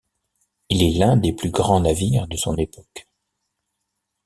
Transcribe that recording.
Il est l'un des plus grands navires de son époque.